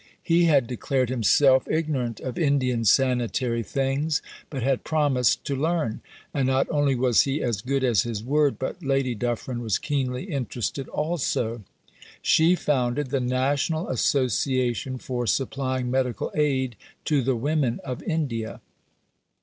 He had declared himself ignorant of Indian sanitary things, but had promised to learn; and not only was he as good as his word, but Lady Dufferin was keenly interested also. She founded the "National Association for Supplying Medical Aid to the Women of India."